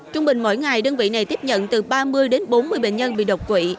trung bình mỗi ngày đơn vị này tiếp nhận từ ba mươi đến bốn mươi bệnh nhân bị độc quỷ